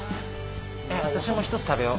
私も１つ食べよう。